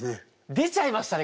出ちゃいましたね